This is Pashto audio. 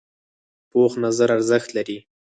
پوخ نظر ارزښت لري